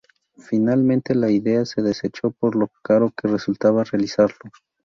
Finalmente la idea se desechó por lo caro que resultaba realizarlo.